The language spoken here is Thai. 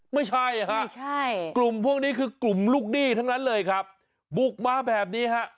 ไม่ใช่ฮะกลุ่มพวกนี้คือกลุ่มลูกหนี้ทั้งนั้นเลยครับบุกมาแบบนี้ฮะ